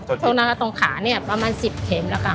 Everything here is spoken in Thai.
ตรงนั้นก็ตรงขาเนี่ยประมาณ๑๐เข็มแล้วกัน